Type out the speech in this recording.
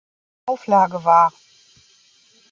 Auflage war.